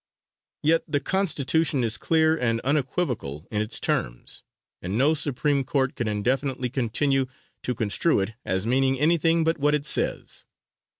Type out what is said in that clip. Yet the Constitution is clear and unequivocal in its terms, and no Supreme Court can indefinitely continue to construe it as meaning anything but what it says.